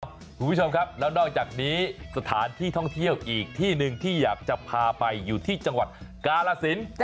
คุณผู้ชมครับแล้วนอกจากนี้สถานที่ท่องเที่ยวอีกที่หนึ่งที่อยากจะพาไปอยู่ที่จังหวัดกาลสิน